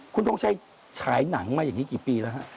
คุณทงชัยฉายหนังมาอย่างนี้กี่ปีแล้วฮะ